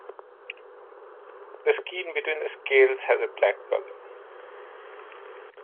The skin between the scales has a black colour.